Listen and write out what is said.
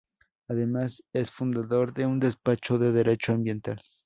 Además es fundador de un despacho de derecho ambiental.